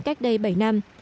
cách đây bảy năm